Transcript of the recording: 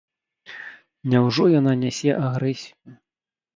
Няўжо яна нясе агрэсію?